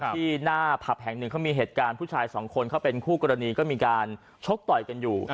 ที่หน้าผับแห่งหนึ่งเขามีเหตุการณ์ผู้ชายสองคนเขาเป็นคู่กรณีก็มีการชกต่อยกันอยู่